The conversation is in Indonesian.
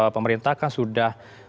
pemerintah kan sudah